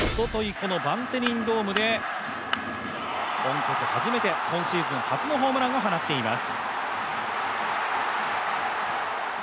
このバンテリンドームで、本拠地初めて今シーズン初のホームランを放っています。